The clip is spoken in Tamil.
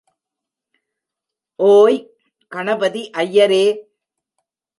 ஓய் கணபதி ஐயரே!